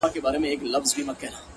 زما په مرگ دي خوشالي زاهدان هيڅ نکوي!!